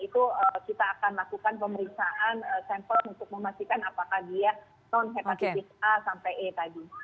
itu kita akan lakukan pemeriksaan sampel untuk memastikan apakah dia non hepatitis a sampai e tadi